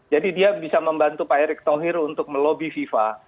jadi dia bisa membantu pak erik thohir untuk melobby fifa